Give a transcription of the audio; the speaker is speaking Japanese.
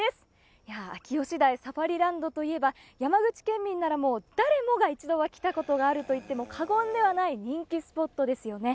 いやあ秋吉台サファリランドといえば山口県民ならもう誰もが一度は来た事があると言っても過言ではない人気スポットですよね。